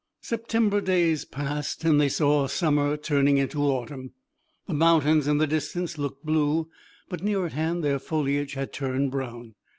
September days passed and they saw the summer turning into autumn. The mountains in the distance looked blue, but, near at hand, their foliage had turned brown.